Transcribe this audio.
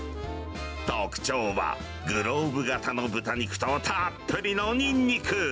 特徴はグローブ形の豚肉とたっぷりのニンニク。